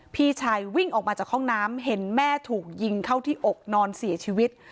พี่ชายวิ่งออกมาจากห้องน้ำเห็นแม่ถูกยิงเข้าที่อกนอนเสียชีวิต